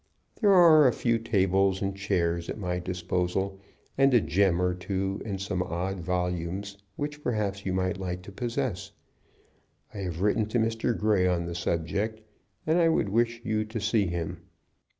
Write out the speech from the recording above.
There are a few tables and chairs at my disposal, and a gem or two, and some odd volumes which perhaps you might like to possess. I have written to Mr. Grey on the subject, and I would wish you to see him.